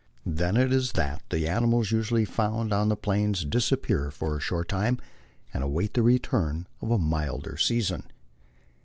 Then it is that the animals usually found on the Plains disappear for a short time, and await the return of a milder season.